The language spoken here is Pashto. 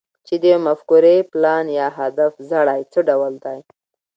چې د يوې مفکورې، پلان، يا هدف زړی څه ډول دی؟